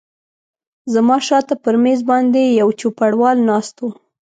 زما شاته پر مېز باندې یو چوپړوال ناست و.